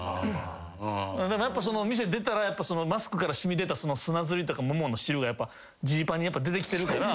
店出たらマスクから染み出た砂ずりとかももの汁がジーパンに出てきてるから。